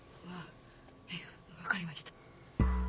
わ分かりました。